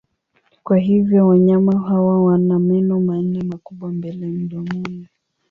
Kwa hivyo wanyama hawa wana meno manne makubwa mbele mdomoni.